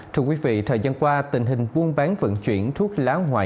thưa quý vị thời gian qua tình hình buôn bán vận chuyển thuốc láo hoài